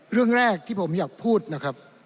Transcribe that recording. เรื่องแรกที่ผมอยากพูดนะครับ